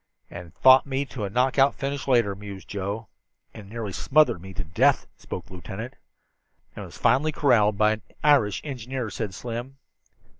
"And fought me to a knockout finish later," mused Joe. "And nearly smothered me to death," spoke the lieutenant. "And was finally corralled by an Irish engineer!" said Slim.